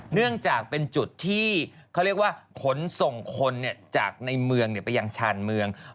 เนื่องจากเป็นจุดที่เขาเรียกว่าขนส่งคนจากในเมืองไปยังชานเมือง